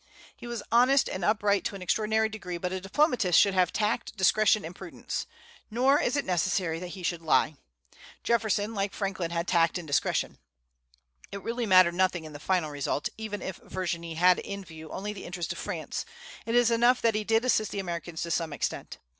He was honest and upright to an extraordinary degree; but a diplomatist should have tact, discretion, and prudence. Nor is it necessary that he should lie. Jefferson, like Franklin, had tact and discretion. It really mattered nothing in the final result, even if Vergennes had in view only the interests of France; it is enough that he did assist the Americans to some extent.